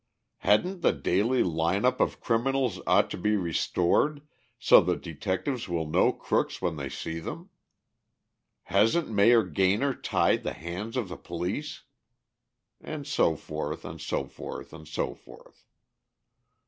"Hadn't the daily 'line up' of criminals ought to be restored so that detectives will know crooks when they see them?" "Hasn't Mayor Gaynor tied the hands of the police?" And so forth, and so forth, and so forth.